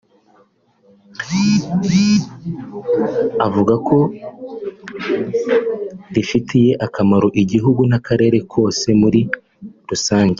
avuga ko rifitiye akamaro igihugu n’akarere kose muri rusange